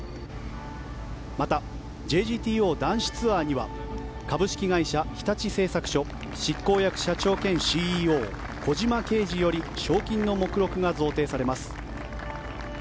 また、ＪＧＴＯ男子ツアーには株式会社日立製作所執行役社長兼ＣＥＯ小島啓二より賞金の目録が贈呈されます。